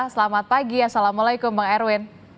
selamat pagi assalamualaikum bang erwin